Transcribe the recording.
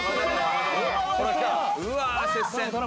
・うわ接戦